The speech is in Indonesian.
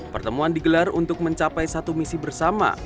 pertemuan digelar untuk mencapai satu misi bersama